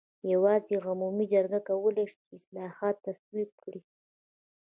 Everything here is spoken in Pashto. یوازې عمومي جرګه کولای شي چې اصلاحات تصویب کړي.